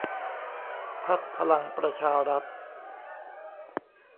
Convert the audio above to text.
พรรคพลังประชารัฐ